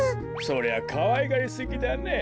そりゃかわいがりすぎだね。